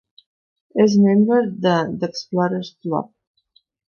És membre de The Explorers Club.